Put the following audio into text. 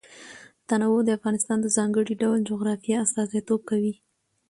تنوع د افغانستان د ځانګړي ډول جغرافیه استازیتوب کوي.